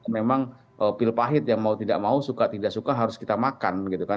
memang pil pahit yang mau tidak mau suka tidak suka harus kita makan gitu kan